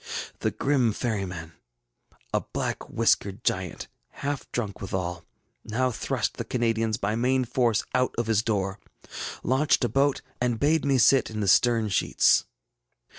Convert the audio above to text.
ŌĆ£The grim ferryman, a black whiskered giant, half drunk withal, now thrust the Canadians by main force out of his door, launched a boat, and bade me sit in the stern sheets.